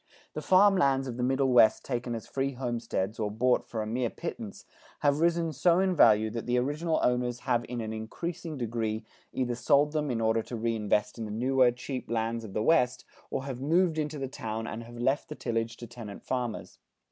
The farm lands of the Middle West taken as free homesteads or bought for a mere pittance, have risen so in value that the original owners have in an increasing degree either sold them in order to reinvest in the newer cheap lands of the West, or have moved into the town and have left the tillage to tenant farmers.